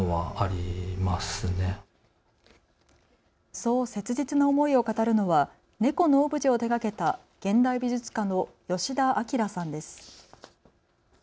そう切実な思いを語るのは猫のオブジェを手がけた現代美術家の吉田朗さんです。